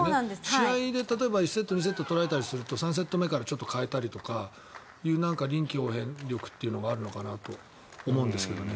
試合で例えば１セット、２セット取られたりすると３セット目からちょっと変えたりとかっていう臨機応変力っていうのがあるかなと思うんですけどね。